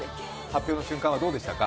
発表の瞬間はどうでしたか？